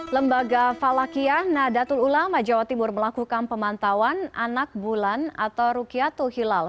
lembaga falakianadatul ulama jawa timur melakukan pemantauan anak bulan atau rukiatu hilal